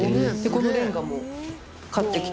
このレンガも買ってきて。